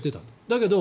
だけど、